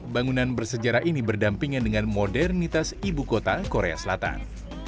bangunan bersejarah ini berdampingan dengan modernitas ibu kota korea selatan